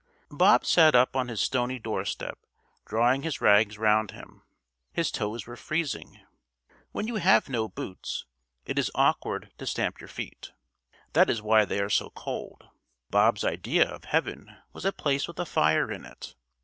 Bob sat up on his stony doorstep, drawing his rags around him. His toes were freezing. When you have no boots it is awkward to stamp your feet. That is why they are so cold. Bob's idea of heaven was a place with a fire in it.